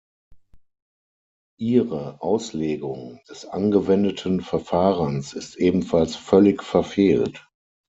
Ihre Auslegung des angewendeten Verfahrens ist ebenfalls völlig verfehlt.